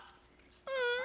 うん！